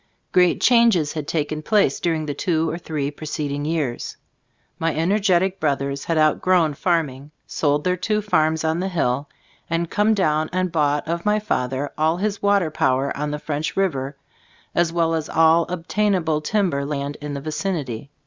Great changes had taken place during the two or three preceding years. My energetic brothers had outgrown farming, sold their two farms on the hill, and come down and bought of my father all his water power on the French River, as well as all obtainable timber land in the vicinity.